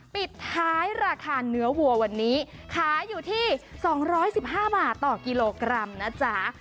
ปิดท้ายราคาเนื้อวัววันนี้ขายอยู่ที่๒๑๕บาทต่อกิโลกรัมนะจ๊ะ